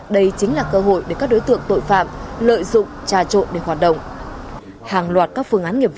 đây chính là cơ hội để các đối tượng tội nghiệp